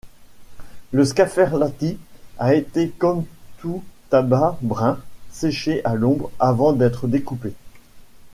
Le Scaferlati a été comme tout tabac brun, séché à l'ombre avant d'être découpé.